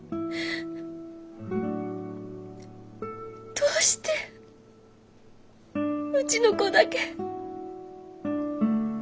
どうしてうちの子だけ。